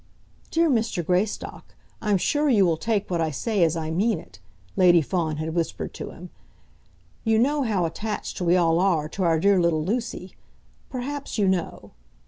"Dear Mr. Greystock, I'm sure you will take what I say as I mean it," Lady Fawn had whispered to him. "You know how attached we all are to our dear little Lucy. Perhaps you know